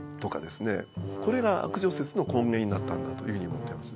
これが悪女説の根源になったんだというふうに思ってます。